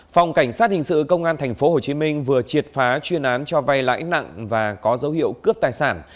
phòng cảnh sát hình sự công an tp hcm vừa triệt phá chuyên án cho vay lãi nặng và có dấu hiệu cướp tài sản